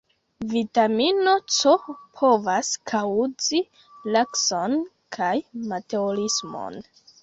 Vitamino C povas kaŭzi lakson kaj meteorismon.